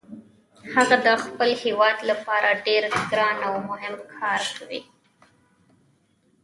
هغه د خپل هیواد لپاره ډیر ګران او مهم کار کوي